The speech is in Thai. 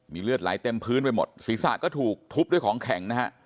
เลือดไหลเต็มพื้นไปหมดศีรษะก็ถูกทุบด้วยของแข็งนะฮะ